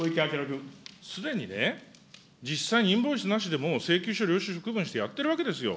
すでにね、実際にインボイスなしでも請求書、領収書、区分してやってるわけですよ。